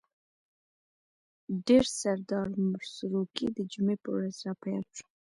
د ډر سردار سروکی د جمعې په ورځ را په ياد شو.